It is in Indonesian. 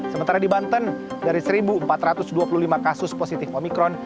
sementara di banten dari satu empat ratus dua puluh lima kasus positif omikron